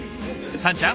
さんちゃん